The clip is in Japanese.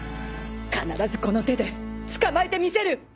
必ずこの手で捕まえてみせる！